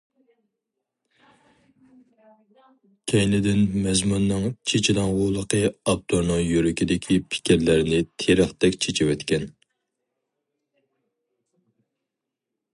كەينىدىن مەزمۇننىڭ چېچىلاڭغۇلۇقى ئاپتورنىڭ يۈرىكىدىكى پىكىرلەرنى تېرىقتەك چېچىۋەتكەن.